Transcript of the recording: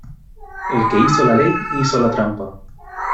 El que hizo la ley hizo la trampa.